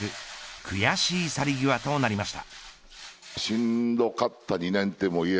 悔しい去り際となりました。